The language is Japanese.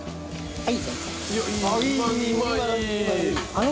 はい。